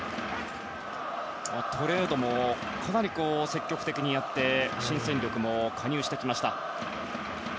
トレードもかなり積極的にやって新戦力も加入してきました。